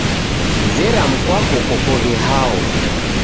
Zera mkwako kokoghe hao